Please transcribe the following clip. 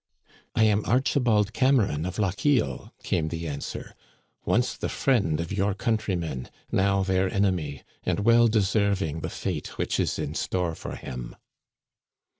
" I am Archibald Cameron, of Lochiel," came the answer, " once the friend of your countrymen ; now their enemy, and well deserving the fate which is in store for him."